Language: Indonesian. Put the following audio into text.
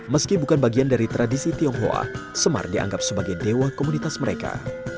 meski bukan bagian dari tradisi tionghoa semar dianggap sebagai dewa komunitas mereka